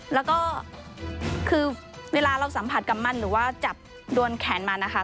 แล้วก็คือเวลาเราสัมผัสกับมันหรือว่าจับโดนแขนมันนะคะ